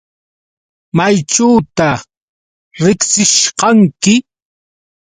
¿Mayćhuta riqsishqanki?